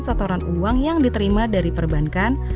setoran uang yang diterima dari perbankan